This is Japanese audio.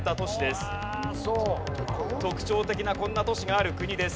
特徴的なこんな都市がある国です。